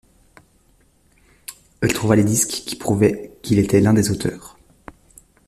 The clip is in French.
Elle trouva les disques qui prouvaient qu'il était l'un des auteurs.